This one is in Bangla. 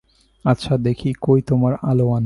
আচ্ছা দেখি, কই তোমার আলোয়ান?